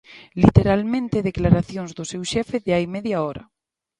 Literalmente declaracións do seu xefe de hai media hora.